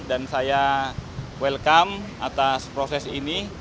dan saya welcome atas proses ini